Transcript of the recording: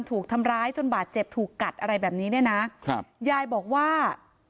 ถูกทำร้ายจนบาดเจ็บถูกกัดอะไรแบบนี้เนี่ยนะครับยายบอกว่า